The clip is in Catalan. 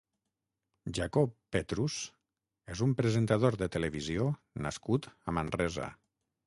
Jacob Petrus és un presentador de televisió nascut a Manresa.